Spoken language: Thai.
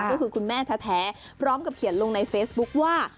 ก็คือคุณแม่แท้พร้อมกับเขียนลงในเฟซบุ๊คว่า